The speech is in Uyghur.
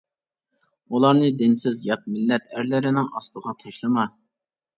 ئۇلارنى دىنسىز يات مىللەت ئەرلىرىنىڭ ئاستىغا تاشلىما.